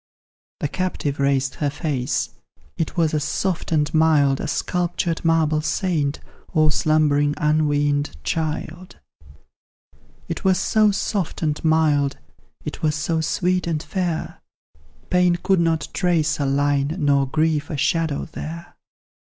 The captive raised her face; it was as soft and mild As sculptured marble saint, or slumbering unwean'd child; It was so soft and mild, it was so sweet and fair, Pain could not trace a line, nor grief a shadow there!